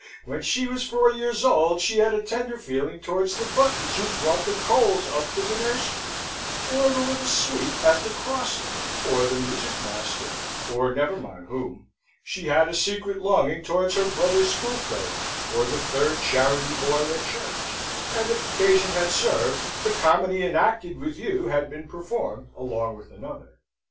When she was four years old she had a tender feeling towards the Buttons who brought the coals up to the nursery, or the little sweep at the crossing, or the music master, or never mind whom. She had a secret longing towards her brother's schoolfellow, or the third charity boy at church, and if occasion had served, the comedy enacted with you had been performed along with another.